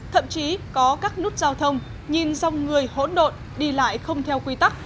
thậm chí có các nút giao thông nhìn dòng người hỗn độn đi lại không theo quy tắc